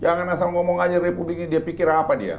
jangan asal ngomong aja republik ini dia pikir apa dia